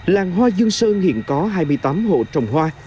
làng hoa dương sơn hiện có hai mươi tám hộ trồng hoa